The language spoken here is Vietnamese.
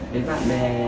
với bạn bè